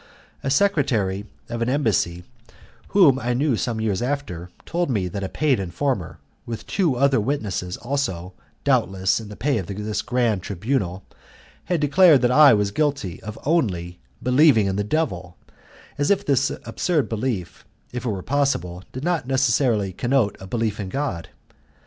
A secretary of an embassy, whom I knew some years after, told me that a paid informer, with two other witnesses, also, doubtless, in the pay of this grand tribunal, had declared that I was guilty of only believing in the devil, as if this absurd belief, if it were possible, did not necessarily connote a belief in God!